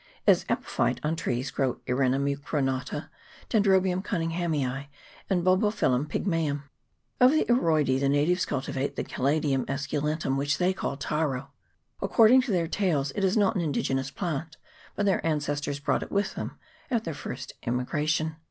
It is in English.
As epiphytce on trees grow Earina mucronata, Dendrobium Cunninghamii, and Bolbophyllum pygmseum. Of the Aroidece the natives cultivate the Caladium escu lentum, which they call taro. According to their tales, it is not an indigenous plant, but their ancestors brought it with them at their first immigration.